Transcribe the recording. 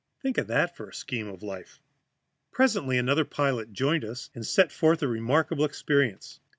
Think of that for a scheme of life! Presently another pilot joined us, and set forth a remarkable experience.